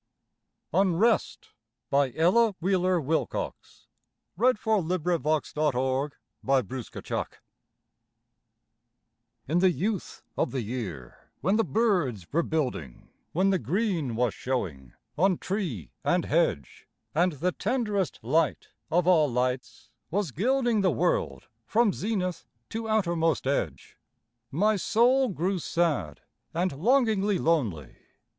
m that blunts and blinds, And strikes the holiest feelings dead. UNREST In the youth of the year, when the birds were building, When the green was showing on tree and hedge, And the tenderest light of all lights was gilding The world from zenith to outermost edge, My soul grew sad and longingly lonely!